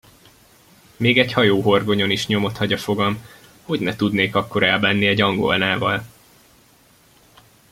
Még egy hajóhorgonyon is nyomot hagy a fogam, hogyne tudnék akkor elbánni egy angolnával!